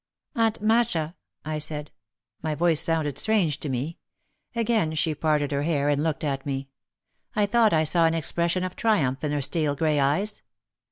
"Aunt Masha," I said. My voice sounded strange to me. Again she parted her hair and looked at me. I thought I saw an expression of triumph in her steel grey eyes.